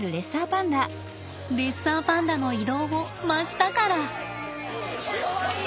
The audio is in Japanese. レッサーパンダの移動を真下から！